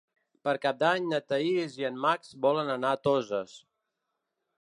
Per Cap d'Any na Thaís i en Max volen anar a Toses.